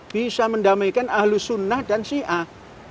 bisa mendamaikan ahlus sunnah dan syiah